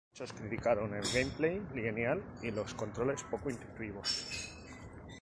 Muchos criticaron el gameplay lineal y los controles poco intuitivos.